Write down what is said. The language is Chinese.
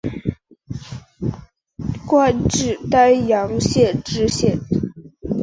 官至丹阳县知县。